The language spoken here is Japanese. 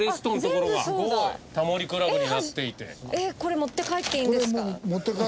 えっこれ持って帰っていいんですか？